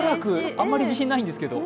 あまり自信ないんですけど。